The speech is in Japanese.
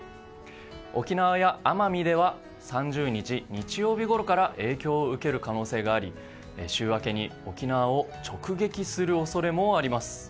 沖縄や奄美では３０日、日曜日ごろから影響を受ける可能性があり週明けに沖縄を直撃する恐れもあります。